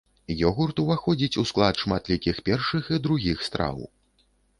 Ёгурт уваходзіць у склад шматлікіх першых і другіх страў.